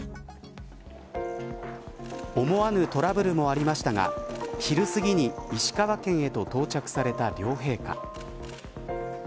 思わぬトラブルもありましたが昼すぎに石川県へと到着された両陛下。